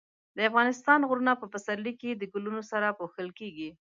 د افغانستان غرونه په پسرلي کې د ګلونو سره پوښل کېږي.